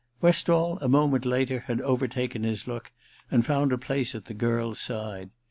Westall, a moment later, had overtaken his look, and found a place at the girl's side.